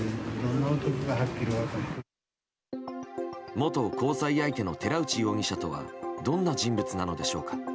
元交際相手の寺内容疑者とはどんな人物なのでしょうか。